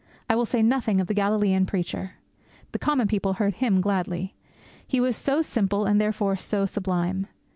I will say nothing of the Galilean preacher. The common people heard Him gladly. He was so simple and therefore so sublime.